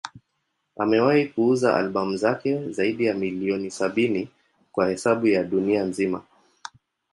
Amewahi kuuza albamu zake zaidi ya milioni sabini kwa hesabu ya dunia nzima.